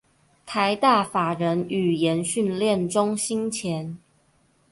臺大法人語言訓練中心前